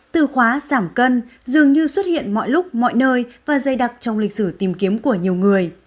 từ khóa giảm cân dường như xuất hiện mọi lúc mọi nơi và dày đặc trong lịch sử tìm kiếm của nhiều người